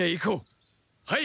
はい！